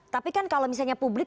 tapi kan kalau misalnya publik